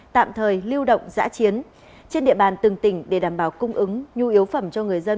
tạm thời lưu động giã chiến trên địa bàn từng tỉnh để đảm bảo cung ứng nhu yếu phẩm cho người dân